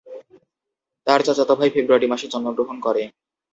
তার চাচাতো ভাই ফেব্রুয়ারি মাসে জন্মগ্রহণ করে।